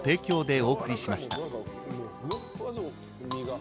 お！